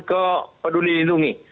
ke peduli lindungi